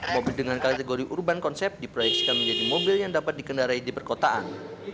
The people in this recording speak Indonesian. mobil dengan kategori urban concept diproyeksikan menjadi mobil yang dapat dikendarai di perkotaan